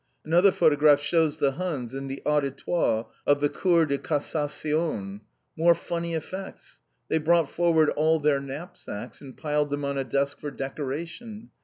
Another photograph shews the Huns in the Auditoire of the Cour de Cassation! More funny effects! They've brought forward all their knap sacks, and piled them on a desk for decoration.